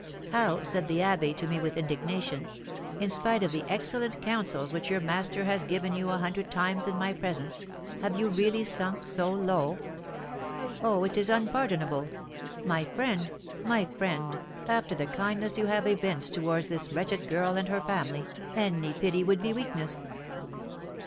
'How,' said the abbé to me with indignation, 'in spite of the excellent counsels which your master has given you a hundred times in my presence, have you really sunk so low? Oh, it is unpardonable! My friend, my friend, after the kindness you have evinced towards this wretched girl and her family, any pity would be weakness.